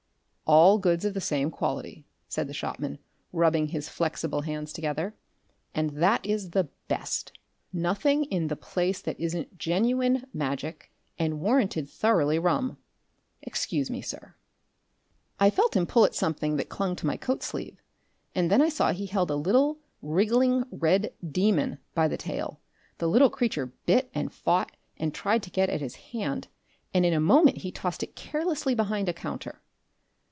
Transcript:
"All goods of the same quality," said the shopman, rubbing his flexible hands together, "and that is the Best. Nothing in the place that isn't genuine Magic, and warranted thoroughly rum. Excuse me, sir!" I felt him pull at something that clung to my coat sleeve, and then I saw he held a little, wriggling red demon by the tail the little creature bit and fought and tried to get at his hand and in a moment he tossed it carelessly behind a counter.